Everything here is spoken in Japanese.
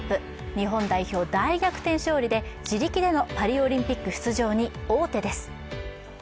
日本代表大逆転勝利で自力でのパリオリンピック出場に王手です。